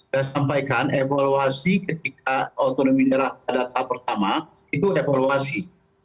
saya sampaikan evaluasi ketika otonomi neraka data pertama itu evaluasi